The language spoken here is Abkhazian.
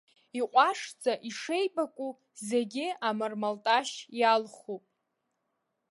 Иҟәашәӡа, ишеибакәу зегьы амармалташь иалхуп.